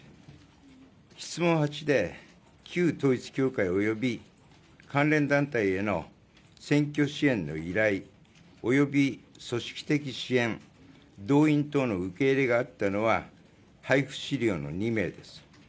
質問８で旧統一教会および関連団体への選挙支援の依頼および組織的支援動員等の受け入れがあったのは配布資料の２名です。